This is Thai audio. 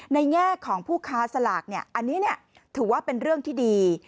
แง่ของผู้ค้าสลากอันนี้ถือว่าเป็นเรื่องที่ดี